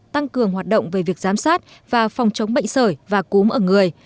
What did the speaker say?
tăng cường hoạt động về việc giám sát và phòng chống bệnh sởi và cúm ở người